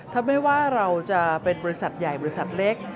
ถ้าไม่ว่าเราจะเป็นบริษัทใหญ่บริษัทเล็ก